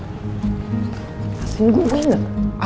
masih nunggu gue gak